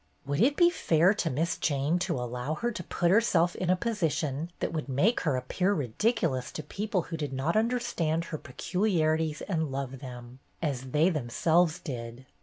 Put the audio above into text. Would it be fair to Miss Jane to allow her to put herself in a position that would make her appear ridiculous to people who did not under stand her peculiarities and love them, as they themselves did.